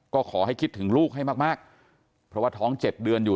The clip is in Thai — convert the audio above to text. ก็ขอให้คิดถึงลูกให้มากเพราะว่าท้อง๗เดือนอยู่